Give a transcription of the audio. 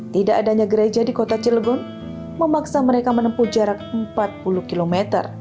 tidak adanya gereja di kota cilegon memaksa mereka menempuh jarak empat puluh km